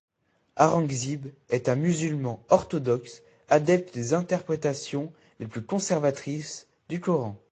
Aurangzeb est un musulman orthodoxe, adepte des interprétations les plus conservatrices du Coran.